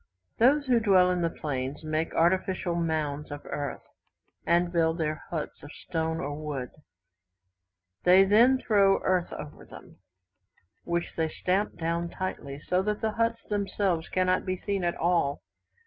Those who dwell in the plains make artificial mounds of earth, and build their huts of stone or wood. They then throw earth over them, which they stamp down tightly, so that the huts themselves cannot be seen at all.